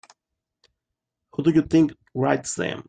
Who do you think writes them?